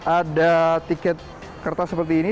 ada tiket kertas seperti ini